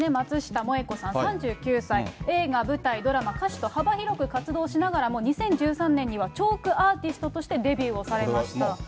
映画、舞台、ドラマ、歌手と幅広く活動しながらも、２０１３年にはチョークアーティストとしてデビューをされました。